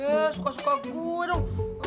eh suka suka gue dong